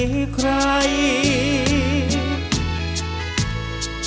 ภรรพคุณผู้ฟัง